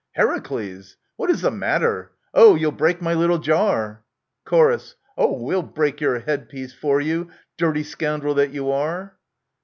Heracles ! What is the matter ? Oh ! You'll break my little jar ! Chor. Oh, we'll break your headpiece for you, dirty scoun drel that you are